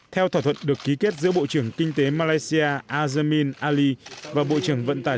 theo thỏa thuận được ký kết giữa bộ trưởng kinh tế malaysia azermin ali và bộ trưởng vận tải